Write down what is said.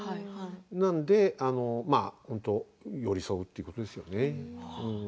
なので本当寄り添うということですよね。